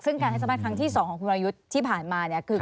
ซึ่งการให้สัมภาษณ์ครั้งที่๒ของคุณวรยุทธ์ที่ผ่านมาเนี่ยคือ